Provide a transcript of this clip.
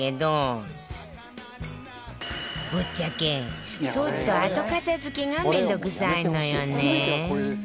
ぶっちゃけ掃除と後片付けが面倒くさいのよね